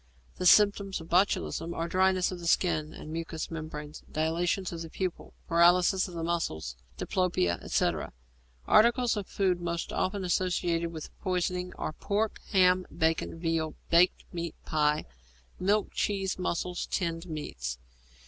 The symptoms of botulism are dryness of skin and mucous membranes, dilatation of pupils, paralysis of muscles, diplopia, etc. Articles of food most often associated with poisoning are pork, ham, bacon, veal, baked meat pie, milk, cheese, mussels, tinned meats.